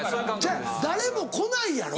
ちゃう誰も来ないやろ？